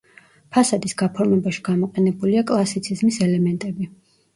ფასადის გაფორმებაში გამოყენებულია კლასიციზმის ელემენტები.